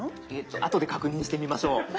あとで確認してみましょう。